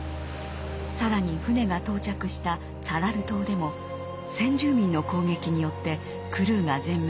更に船が到着したツァラル島でも先住民の攻撃によってクルーが全滅。